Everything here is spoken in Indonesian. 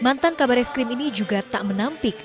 mantan kabar eskrim ini juga tak menampik